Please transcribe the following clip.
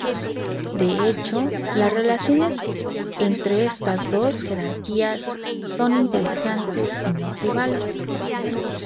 De hecho las relaciones entre estas dos jerarquías son interesantes y no triviales.